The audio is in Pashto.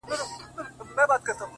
زما تصـور كي دي تصـوير ويده دی؛